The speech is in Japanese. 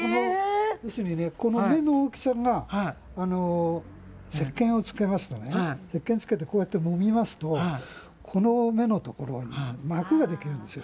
この目の大きさがせっけんをつけてこうやってもみますとこの目のところに膜ができるんですよ。